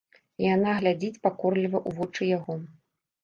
Яна глядзіць пакорліва ў вочы яго.